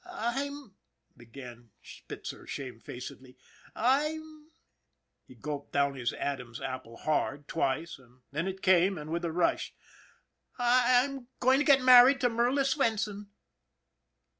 " I'm," began Spitzer shamefacedly, " I'm " He gulped down his Adam's apple hard, twice, and then it came away with a rush :" I'm going to get married to Merla Swenson."